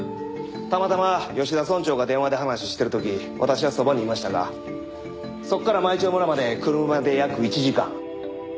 たまたま吉田村長が電話で話をしてる時私はそばにいましたがそこから舞澄村まで車で約１時間。